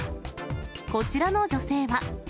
こちらの女性は。